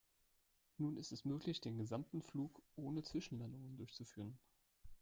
Nun ist es möglich, den gesamten Flug ohne Zwischenlandungen durchzuführen.